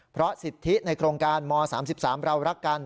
เพราะสิทธิในโครงการม๓๓เรารักกัน